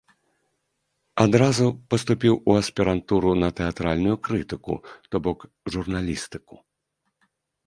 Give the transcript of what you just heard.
Адразу паступіў у аспірантуру на тэатральную крытыку, то бок журналістыку.